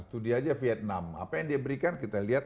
studi saja vietnam apa yang diberikan kita lihat